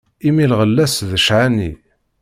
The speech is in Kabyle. Imi lɣella-s d cḥani.